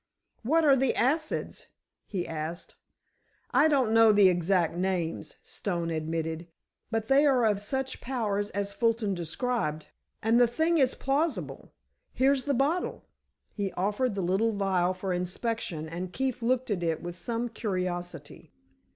"What are the acids?" he asked. "I don't know the exact names," Stone admitted, "but they are of just such powers as Fulton described, and the thing is plausible. Here's the bottle." He offered the little vial for inspection and Keefe looked at it with some curiosity.